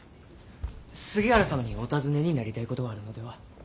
杉原様にお尋ねになりたいことがあるのでは？